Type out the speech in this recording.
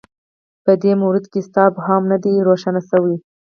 په دې مورد کې شته ابهام نه دی روښانه شوی